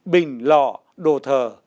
bình lọ đồ thờ